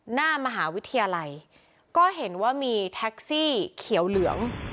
หน้ามหาวิทยาลัยก็เห็นว่ามีแท็กซี่เขียวเหลือง